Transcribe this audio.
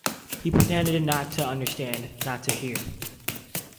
He pretended not to understand, not to hear.